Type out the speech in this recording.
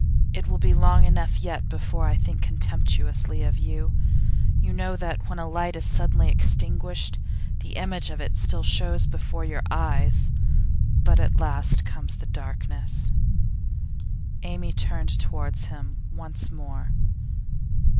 It will be long enough yet before I think contemptuously of you. You know that when a light is suddenly extinguished, the image of it still shows before your eyes. But at last comes the darkness.' Amy turned towards him once more.